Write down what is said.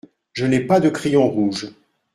Je n’ai pas de crayon rouge.